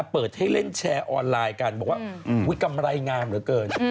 เปิดให้เล่นแชร์ออนไลน์กันบอกว่ากำไรงามเหลือเกิน